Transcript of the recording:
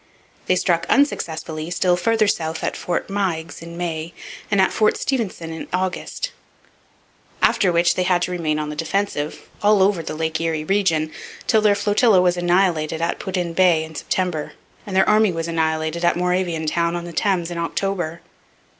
They struck unsuccessfully, still farther south, at Fort Meigs in May and at Fort Stephenson in August; after which they had to remain on the defensive, all over the Lake Erie region, till their flotilla was annihilated at Put in Bay in September and their army was annihilated at Moravian Town on the Thames in October.